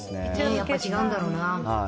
やっぱ違うんだろうな。